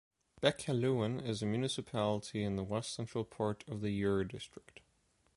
Bec-Hellouin is a municipality in the West Central part of the Eure district.